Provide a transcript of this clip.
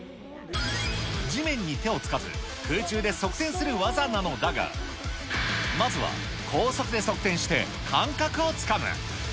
地面に手をつかず、空中で側転する技なのだが、まずは高速で側転して、感覚をつかむ。